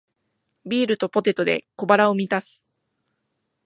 ビールとポテトで小腹を満たす